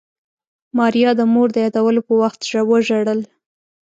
ماريا د مور د يادولو په وخت وژړل.